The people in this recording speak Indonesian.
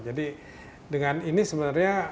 jadi dengan ini sebenarnya